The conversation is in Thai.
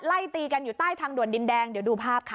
ไล่ตีกันอยู่ใต้ทางด่วนดินแดงเดี๋ยวดูภาพค่ะ